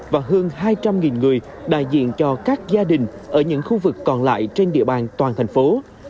và hơn hai trăm linh người đại diện cho các gia đình ở những khu vực còn lại trên địa bàn toàn thành phố